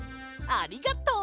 ありがとう！